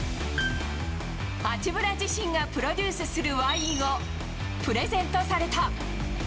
八村自身がプロデュースするワインをプレゼントされた。